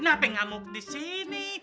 kenapa ngamuk di sini